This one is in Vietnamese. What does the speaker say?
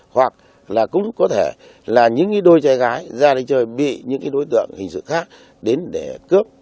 hoặc là cũng có thể là những đôi trai gái ra đây chơi bị những đối tượng hình sự khác đến để cướp